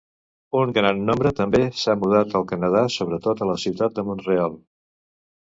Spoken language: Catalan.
Un gran nombre també s'ha mudat al Canadà, sobretot a la ciutat de Mont-real.